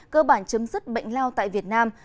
cơ bản chấm dứt bệnh lao tại việt nam